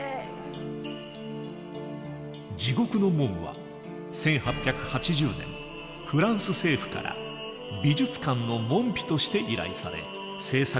「地獄の門」は１８８０年フランス政府から美術館の門扉として依頼され制作されることになった。